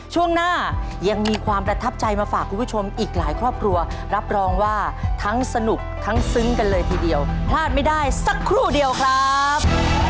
ช่วงหน้ายังมีความประทับใจมาฝากคุณผู้ชมอีกหลายครอบครัวรับรองว่าทั้งสนุกทั้งซึ้งกันเลยทีเดียวพลาดไม่ได้สักครู่เดียวครับ